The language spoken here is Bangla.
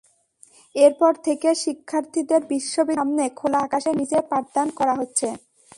এরপর থেকে শিক্ষার্থীদের বিদ্যালয়ের সামনে খোলা আকাশের নিচে পাঠদান করা হচ্ছে।